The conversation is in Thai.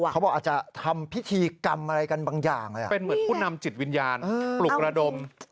เขาบอกอาจจะทำพิธีกรรมอะไรกันบางอย่างเป็นเหมือนผู้นำจิตวิญญาณปลุกระดม